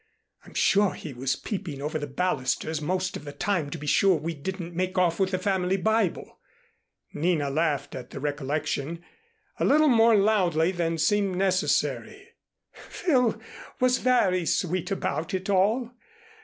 I'm sure he was peeping over the balusters most of the time to be sure we didn't make off with the family Bible." Nina laughed at the recollection, a little more loudly than seemed necessary. "Phil was very sweet about it all.